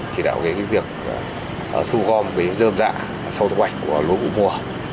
chỉ đạo việc thu gom dơm dạ sâu thu hoạch của lúa bụng mùa